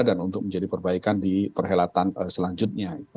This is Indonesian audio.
dan untuk menjadi perbaikan di perhelatan selanjutnya